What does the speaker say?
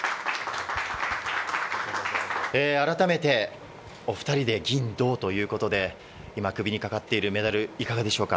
あらためて、お２人で銀、銅ということで、今、首にかかっているメダルいかがでしょうか？